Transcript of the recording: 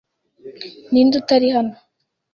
Ninde utari hano?